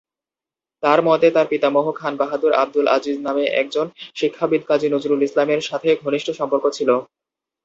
তার মতে তার পিতামহ খান-বাহাদুর আবদুল আজিজ নামে একজন শিক্ষাবিদ কাজী নজরুল ইসলাম এর সাথে ঘনিষ্ঠ সম্পর্ক ছিলো।